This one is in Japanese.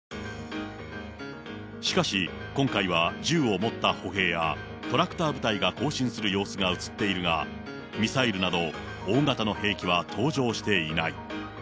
しかし、今回は銃を持った歩兵や、トラクター部隊が行進する様子が写っているが、ミサイルなど大型の兵器は登場していない。